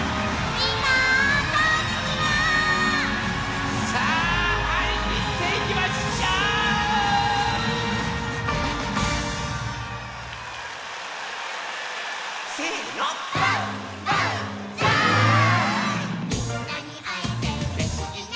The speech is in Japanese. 「みんなにあえてうれしいな」